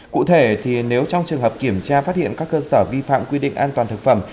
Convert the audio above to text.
cụ thể thì nếu trong trường hợp kiểm tra phát hiện các cơ sở vi phạm quy định an toàn thực phẩm